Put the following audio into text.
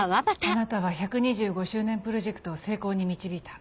あなたは１２５周年プロジェクトを成功に導いた。